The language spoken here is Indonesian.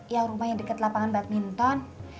yang rumahnya deket lapangan badminton